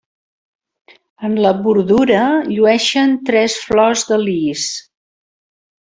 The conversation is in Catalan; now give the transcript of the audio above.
En la bordura llueixen tres flors de lis.